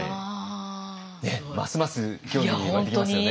ますます興味湧いてきますよね。